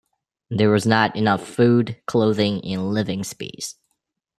There was not enough food, clothing and living space.